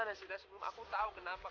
salah aku itu apa